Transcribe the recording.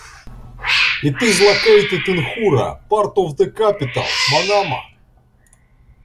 It is located in Hoora, part of the capital, Manama.